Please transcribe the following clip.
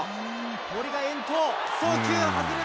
森が遠投。